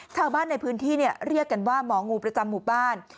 ชาวบ้านในพื้นที่เรียกกันว่าหมองูประจำหมู่บ้าน